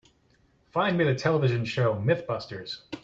Find me the television show MythBusters